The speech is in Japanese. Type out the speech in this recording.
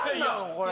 これ！